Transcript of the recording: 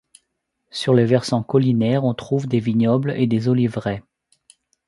Sur les versants collinaires on trouve des vignobles et des oliveraies.